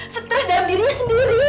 stres dalam dirinya sendiri